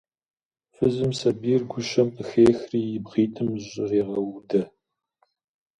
Фызым сабийр гущэм къыхехри, и бгъитӏым зыщӏрегъэудэ.